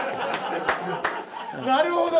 なるほど。